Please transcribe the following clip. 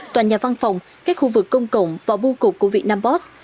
tòa nhà văn phòng các khu vực công cộng và bu cục của việt nam boss